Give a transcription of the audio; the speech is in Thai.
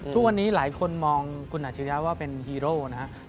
ทุกวันนี้หลายคนมองคุณอาชิริยะว่าเป็นฮีโร่นะครับ